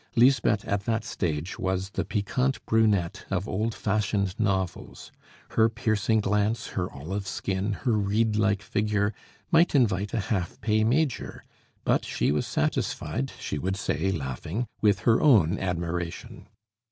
Lisbeth at that stage was the piquante brunette of old fashioned novels. Her piercing glance, her olive skin, her reed like figure, might invite a half pay major; but she was satisfied, she would say laughing, with her own admiration.